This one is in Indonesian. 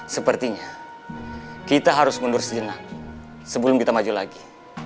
sepertinya kita harus mundur sejenak sebelum kita maju lagi